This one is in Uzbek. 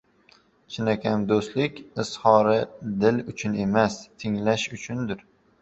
— Chinakam do‘stlik izhori dil uchun emas, tinglash uchundir.